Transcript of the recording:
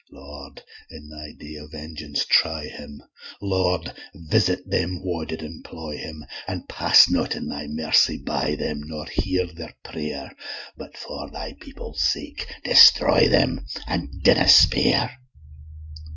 Lord, in Thy day o' vengeance try him, Lord, visit them wha did employ him, And pass not in Thy mercy by 'em, Nor hear their pray'r, But for Thy people's sake, destroy 'em, An' dinna spare.